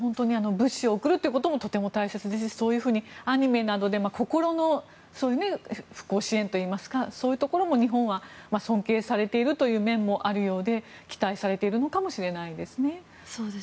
物資を送るということもとても大切ですしそういうふうにアニメなどで心の復興支援といいますかそういうところも日本は尊敬されているという面もあるようで期待されているのかもしれないですね。